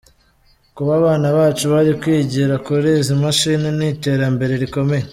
Kuba abana bacu bari kwigira kuri izi mashini ni iterambere rikomeye”.